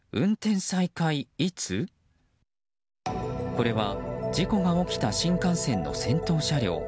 これは、事故が起きた新幹線の先頭車両。